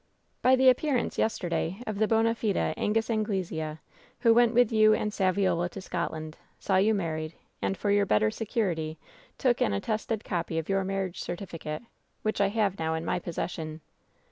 "By the appearance, yesterday, of the bona fide An gus Anglesea, who went with you and Saviola to Soot land, saw you married, and, for your better security, took an attested copy of your marriage certificate, which I have now in my possession."